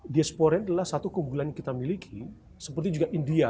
diaspora adalah satu keunggulan yang kita miliki seperti juga india